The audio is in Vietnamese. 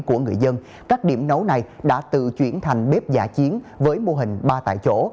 của người dân các điểm nấu này đã tự chuyển thành bếp giả chiến với mô hình ba tại chỗ